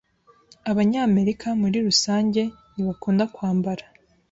Abanyamerika, muri rusange, ntibakunda kwambara.